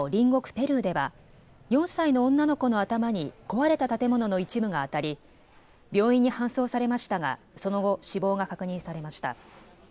ペルーでは４歳の女の子の頭に壊れた建物の一部が当たり病院に搬送されましたがその後、死亡が確認されました。